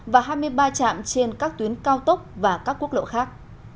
và hai mươi ba trạm trên các tuyến cao tốc và các quốc lộ khác